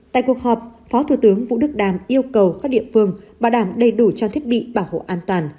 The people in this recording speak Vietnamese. tại cuộc họp phó thủ tướng vũ đức đam yêu cầu các địa phương bảo đảm đầy đủ trang thiết bị bảo hộ an toàn